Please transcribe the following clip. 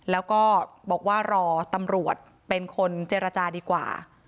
แล้วก็บอกว่ารอตำรวจเป็นคนเจรจาดีกว่า